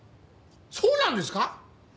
そうなんですか？